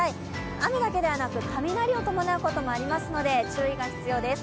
雨だけでなく、雷を伴うこともありますので、注意が必要です。